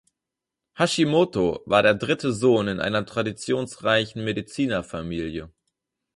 Hashimoto war der dritte Sohn in einer traditionsreichen Medizinerfamilie.